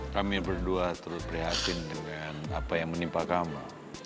kami berdua terlalu prihatin dengan apa yang menimpa kamu